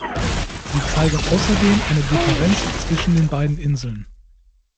Sie zeigen außerdem eine Differenz zwischen den beiden Inseln.